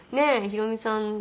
ヒロミさん